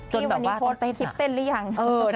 พี่วันนี้โพสต์ในคลิปเต้นหรือยัง